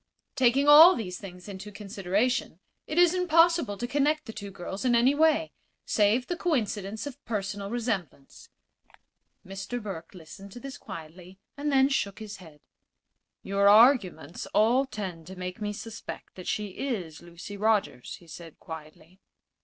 Taking all these things into consideration, it is impossible to connect the two girls in any way save the coincidence of personal resemblance." Mr. Burke listened to this quietly, and then shook his head. "Your arguments all tend to make me suspect that she is Lucy Rogers," he said, quietly.